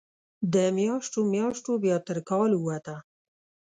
د میاشتو، میاشتو بیا تر کال ووته